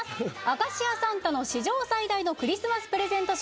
『明石家サンタの史上最大のクリスマスプレゼントショー』